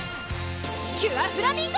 キュアフラミンゴ！